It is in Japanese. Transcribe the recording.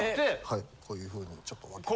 はいこういうふうにちょっと分けて。